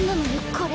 これ。